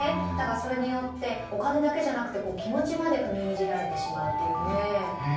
それによってお金だけじゃなくて気持ちまで踏みにじられてしまうというね。